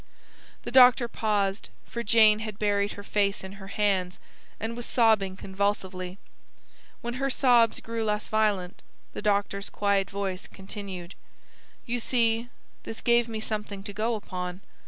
The doctor paused, for Jane had buried her face in her hands and was sobbing convulsively. When her sobs grew less violent, the doctor's quiet voice continued: "You see, this gave me something to go upon.